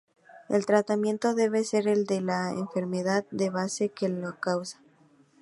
El tratamiento debe ser el de la enfermedad de base que lo causa.